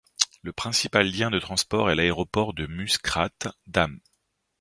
Le principal lien de transport est l'aéroport de Muskrat Dam.